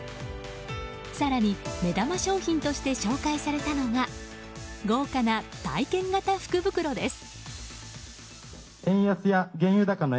更に目玉商品として紹介されたのが豪華な体験型福袋です。